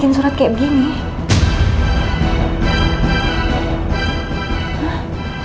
membuat surat perjanjian ini dengan seadat dan tanpa paksaan